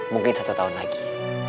mungkin satu tahun lagi